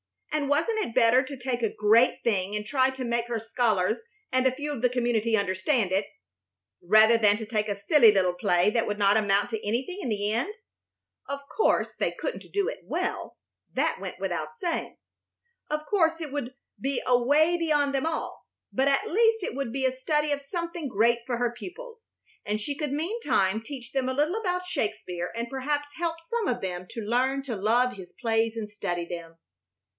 And wasn't it better to take a great thing and try to make her scholars and a few of the community understand it, rather than to take a silly little play that would not amount to anything in the end? Of course, they couldn't do it well; that went without saying. Of course it would be away beyond them all, but at least it would be a study of something great for her pupils, and she could meantime teach them a little about Shakespeare and perhaps help some of them to learn to love his plays and study them.